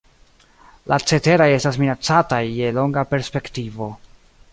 La ceteraj estas minacataj je longa perspektivo.